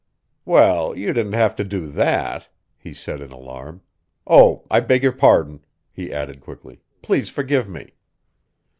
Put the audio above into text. "Well, you didn't have to do that," he said in alarm. "Oh, I beg your pardon," he added quickly, "please forgive me."